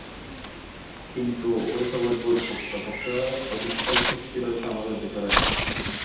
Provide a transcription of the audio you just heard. কিন্তু এ-সবই ভুল, প্রকৃতপক্ষে অধিকতর শক্তি রয়েছে আমাদের ভেতরে।